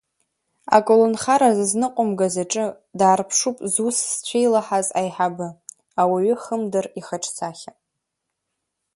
Аколнхара зызныҟәымгаз аҿы даарԥшуп зус зцәеилаҳаз аиҳабы, ауаҩы хымдыр ихаҿсахьа.